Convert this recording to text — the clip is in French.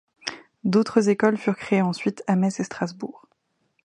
D'autres écoles furent créées ensuite à Metz et Strasbourg.